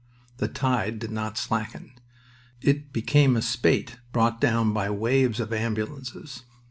The tide did not slacken. It became a spate brought down by waves of ambulances.